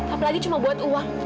apalagi cuma buat uang